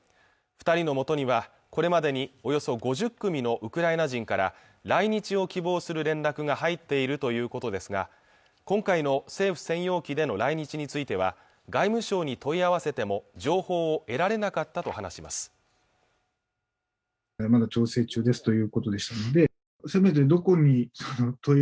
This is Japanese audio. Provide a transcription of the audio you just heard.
二人のもとにはこれまでにおよそ５０組のウクライナ人から来日を希望する連絡が入っているということですが今回の政府専用機での来日については外務省に問い合わせても情報を得られなかったと話します